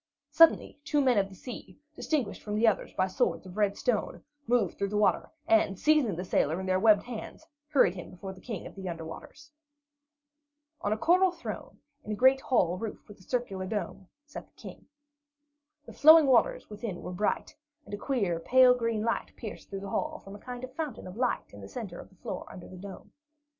Suddenly two men of the sea, distinguished from the others by swords of red stone, moved through the water, and seizing the sailor in their webbed hands, hurried him before the King of the Under Waters. On a coral throne, in a great hall roofed with a high circular dome, sat the King. The flowing waters within were bright, and a queer, pale green light pierced through the hall from a kind of fountain of light in the centre of the floor under the dome.